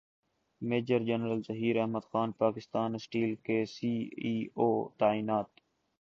major general Zaheer Ahmed Khan Pakistan steel کے C E O تعینات